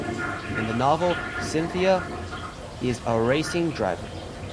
In the novel, Cynthia is a racing driver.